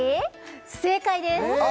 正解です